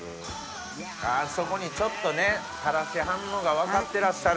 あそこにちょっとね垂らしはんのが分かってらっしゃる。